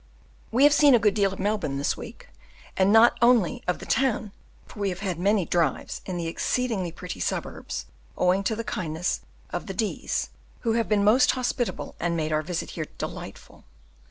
We have seen a good deal of Melbourne this week; and not only of the town, for we have had many drives in the exceedingly pretty suburbs, owing to the kindness of the D s, who have been most hospitable and made our visit here delightful.